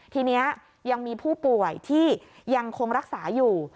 ทีนี้ยังมีผู้ป่วยที่ยังคงรักษาอยู่